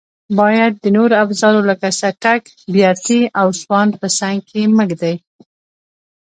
باید د نورو افزارو لکه څټک، بیاتي او سوان په څنګ کې مه ږدئ.